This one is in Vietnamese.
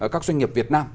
các doanh nghiệp việt nam